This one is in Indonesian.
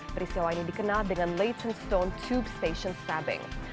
peristiwa ini dikenal dengan leytonstone tube station stabbing